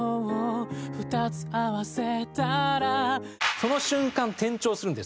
その瞬間転調するんです。